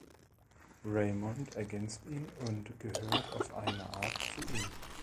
Raymond ergänzt ihn und gehört auf eine Art zu ihm.